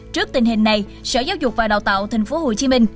trước tình hình này sở giáo dục và đào tạo thành phố hồ chí minh